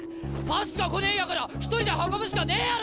パスが来ねえんやから１人で運ぶしかねえやろがい！